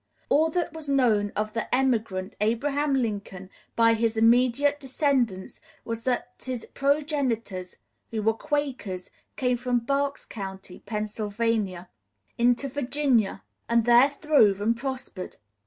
All that was known of the emigrant, Abraham Lincoln, by his immediate descendants was that his progenitors, who were Quakers, came from Berks County, Pennsylvania, into Virginia, and there throve and prospered.